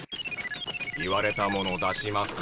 言われたもの出します。